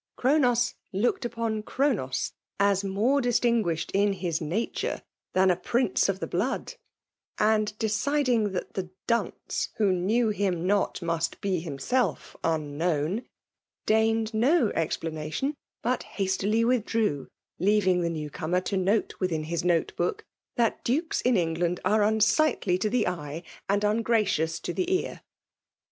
Cfaro aoB looked upon Chronos as more distin ffouted in his nature than a prinee of file blood ; and, deciding that the dunce wlio knew Imn not mast be himself unknown, deigned no eBphmation, bnt hastily withdrew ; leaving the new oomer to note within has note book, Ihat Dukes in England ave unsi^tly to the wfB,wad uagradons to thenar.